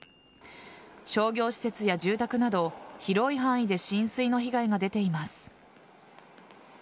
商業施設や住宅など、広い範囲で浸水の被害が出ています。